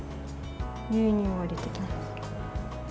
牛乳を入れていきます。